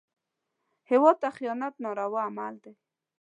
هېواد ته خیانت ناروا عمل دی